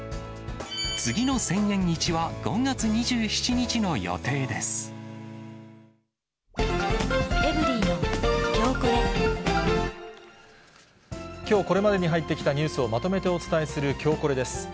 次の千円市は５月２７日の予定できょうこれまでに入ってきたニュースをまとめてお伝えするきょうコレです。